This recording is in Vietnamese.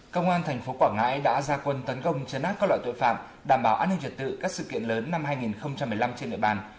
công an thành phố quảng ngãi đã ra quân tấn công chấn áp các loại tội phạm đảm bảo an ninh trật tự các sự kiện lớn năm hai nghìn một mươi năm trên địa bàn